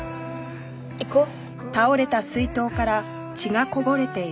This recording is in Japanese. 行こう。